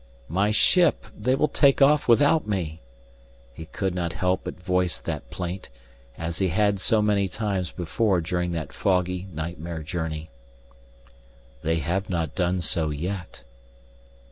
"My ship They will take off without me!" He could not help but voice that plaint, as he had so many times before during that foggy, nightmare journey. "They have not done so yet."